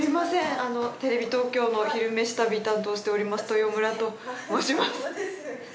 あのテレビ東京の「昼めし旅」担当しております豊村と申します。